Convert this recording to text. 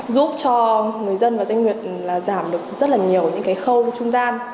giúp cho người dân và doanh nghiệp giảm được rất nhiều khâu trung gian